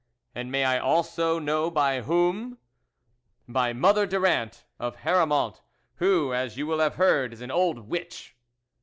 " And may I also know by whom ?"" By Mother Durand, of Haramont, who, as you will have heard, is an old witch."